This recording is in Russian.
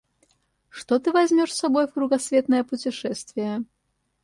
Что ты возьмешь с собой в кругосветное путешествие?